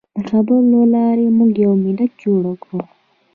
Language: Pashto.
د خبرو له لارې موږ یو ملت جوړ کړ.